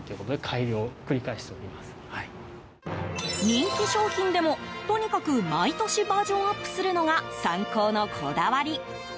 人気商品でも、とにかく毎年バージョンアップするのがサンコーのこだわり。